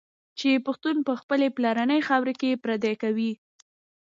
چي پښتون په خپلي پلرنۍ خاوره کي پردی کوي